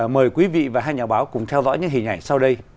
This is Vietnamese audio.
mời quý vị và hai nhà báo cùng theo dõi những hình ảnh sau đây